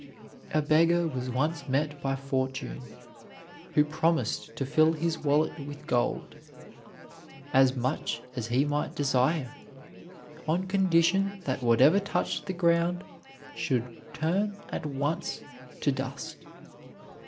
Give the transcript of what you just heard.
A beggar was once met by Fortune, who promised to fill his wallet with gold, as much as he might desire, on condition that whatever touched the ground should turn at once to dust.